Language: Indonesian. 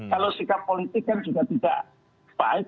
kalau sikap politik kan juga tidak baik